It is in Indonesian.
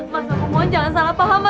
mas aku mohon jangan salah paham